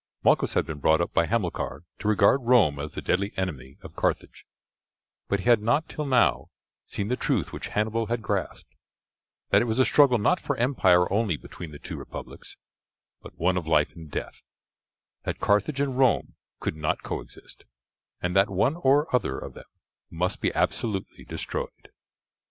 Malchus had been brought up by Hamilcar to regard Rome as the deadly enemy of Carthage, but he had not till now seen the truth which Hannibal had grasped, that it was a struggle not for empire only between the two republics, but one of life and death that Carthage and Rome could not coexist, and that one or other of them must be absolutely destroyed.